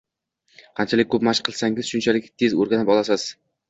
Qanchalik ko’p mashq qilsangiz, shunchalik tez o’rganib olasiz